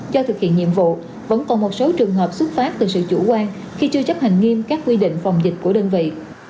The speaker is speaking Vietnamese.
do thực hiện nhiệm vụ vẫn còn một số trường hợp xuất phát từ sự chủ quan khi chưa chấp hành nghiêm các quy định phòng dịch của đơn vị